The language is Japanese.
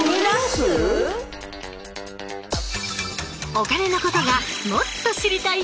お金のことがもっと知りたいあなた！